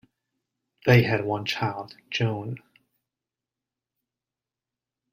They had one child, Joan.